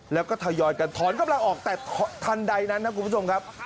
แล้วก็ทยอยกันถอนกำลังออกแต่ทันใดนั้นครับคุณผู้ชมครับ